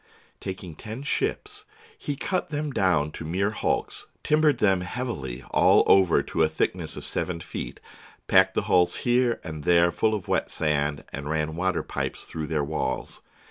Taking ten ships, he cut them down to mere hulks, timbered them heavily all over to a thickness of seven feet, packed the hulls here and there full of wet sand, and ran water pipes through their walls.